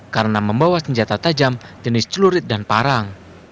karena membawa senjata tajam jenis celurit dan parang